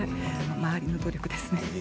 周りの努力ですね。